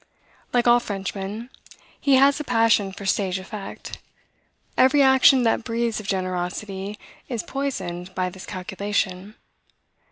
Like all Frenchmen, he has a passion for stage effect. Every action that breathes of generosity is poisoned by this calculation.